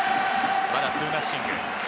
まだツーナッシング。